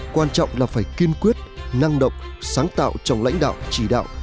quan trọng là phải kiên quyết năng động sáng tạo trong lãnh đạo chỉ đạo